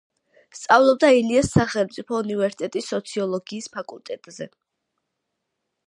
სწავლობდა ილიას სახელმწიფო უნივერსიტეტის სოციოლოგიის ფაკულტეტზე.